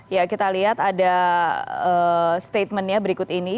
ya kita lihat ada statement nya berikut ini